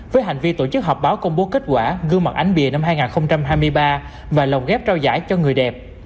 với hành vi tổ chức họp báo công bố kết quả gương mặt ánh bìa năm hai nghìn hai mươi ba và lồng ghép trao giải cho người đẹp